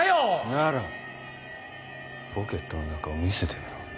ならポケットの中を見せてみろ。